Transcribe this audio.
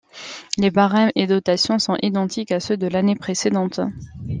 Les barèmes et dotations sont identiques à ceux de l'année précédente.